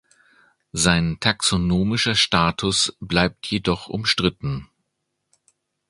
Sein taxonomischer Status bleibt jedoch umstritten.